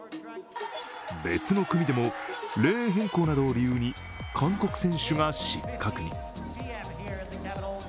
別の組でもレーン変更などを理由に韓国選手が失格に。